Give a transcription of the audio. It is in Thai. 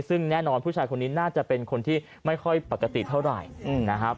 ซึ่งแน่นอนผู้ชายคนนี้น่าจะเป็นคนที่ไม่ค่อยปกติเท่าไหร่นะครับ